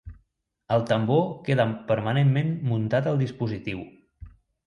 El tambor queda permanentment muntat al dispositiu.